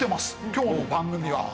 今日の番組は。